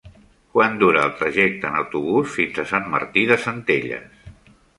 Quant dura el trajecte en autobús fins a Sant Martí de Centelles?